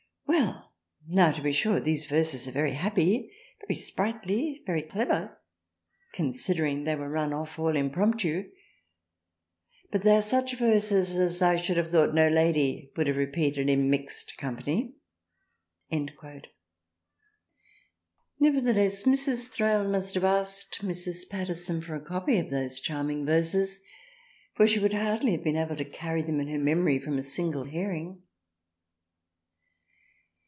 Well ! now to be sure these verses are very happy, very Sprightly very clever considering they were run off all impromptu, but they are such verses as I should have thought no Lady would have repeated in mixed Company." Nevertheless Mrs. Thrale must have asked Mrs. Paterson for a copy of " those charming verses " for she would hardly have been able to carry them in her memory from a single hearing.